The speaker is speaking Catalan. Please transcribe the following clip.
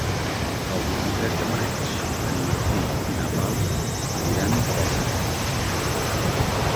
El vint-i-tres de maig en Martí i na Blau aniran a Balsareny.